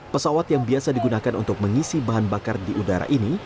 pesawat yang biasa digunakan untuk mengisi bahan bakar di udara ini